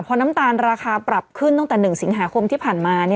พอน้ำตาลราคาปรับขึ้นตั้งแต่๑สิงหาคมที่ผ่านมา